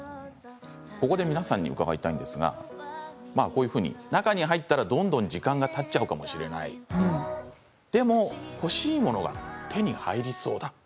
ここで皆さんに伺いたいんですが中に入ったらどんどん時間がたってしまうかもしれないでも欲しいものが手に入りそうだ。